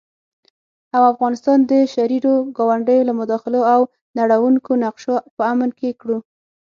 او افغانستان د شريرو ګاونډيو له مداخلو او نړوونکو نقشو په امن کې کړو